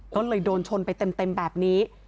ก็เลยโดนชนไปเต็มแบบนี้